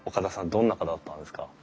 どんな方だったんですか？